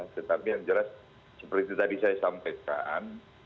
tetapi yang jelas seperti tadi saya sampaikan